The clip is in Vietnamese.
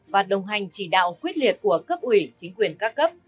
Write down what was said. và đồng hành chỉ đạo quyết liệt của cấp ủy chính quyền các cấp